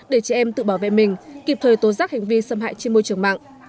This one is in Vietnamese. để trẻ em tự bảo vệ mình kịp thời tố giác hành vi xâm hại trên môi trường mạng